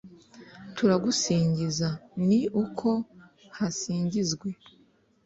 turagusingiza. ni uko hasingizwe